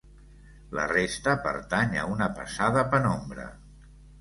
La resta pertany a una pesada penombra.